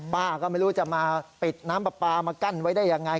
ป้าก็ไม่รู้จะมาปิดน้ำปลาปลามากั้นไว้ได้ยังไง